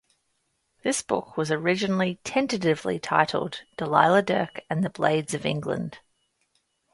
This book was originally tentatively titled "Delilah Dirk and the Blades of England".